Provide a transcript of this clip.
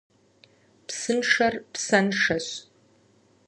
Псыншэр псэншэщ.